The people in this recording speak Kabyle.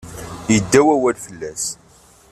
Yedda wawal fell-as.